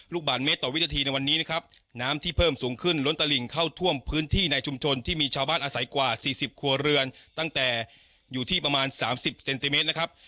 ลูกบาทเมตรต่อวินาทีในวันนี้นะครับน้ำที่เพิ่มสูงขึ้นล้นตลิ่งเข้าท่วมพื้นที่ในชุมชนที่มีชาวบ้านอาศัยกว่า๔๐ครัวเรือนตั้งแต่อยู่ที่ประมาณ๓๐เซนติเมตรนะครับ